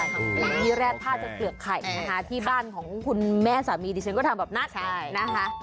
อันนี้แรดผ้าเปลือกไข่ที่บ้านของคุณแม่สามีดิฉันก็ทำแบบนั้น